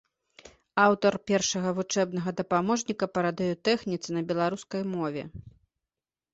Аўтар першага вучэбнага дапаможніка па радыётэхніцы на беларускай мове.